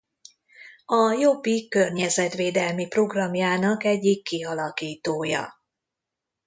A Jobbik környezetvédelmi programjának egyik kialakítója.